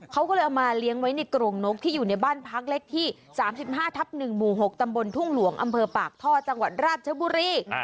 เขาก็เลยเอามาเลี้ยงไว้ในกรงนกที่อยู่ในบ้านพักเล็กที่๓๕ทับ๑หมู่๖ตำบลทุ่งหลวงอำเภอปากท่อจังหวัดราชบุรี